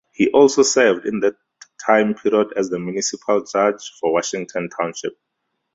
He also served in that time period as the Municipal Judge for Washington Township.